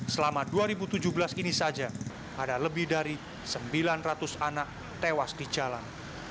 selama dua ribu tujuh belas ini saja ada lebih dari sembilan ratus anak tewas di jalan